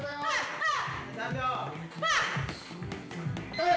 ・はい！